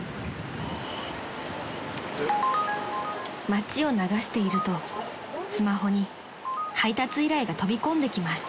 ［街を流しているとスマホに配達依頼が飛び込んできます］